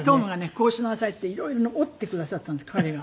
「こうしなさい」って色々ね折ってくださったんです彼が。